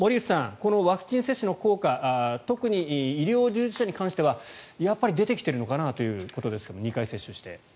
このワクチン接種の効果特に医療従事者に関してはやっぱり出てきているのかなということですが２回接種して。